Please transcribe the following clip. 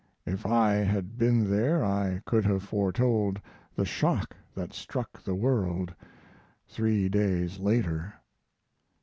If I had been there I could have foretold the shock that struck the world three days later.